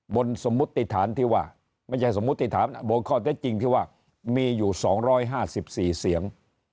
สมมุติฐานที่ว่าไม่ใช่สมมุติฐานบนข้อเท็จจริงที่ว่ามีอยู่๒๕๔เสียง